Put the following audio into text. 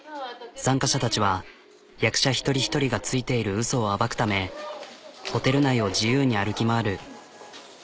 参加者たちは役者一人一人がついているウソを暴くためホテル内を自由に歩き回る。